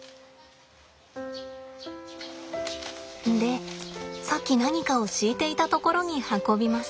でさっき何かを敷いていたところに運びます。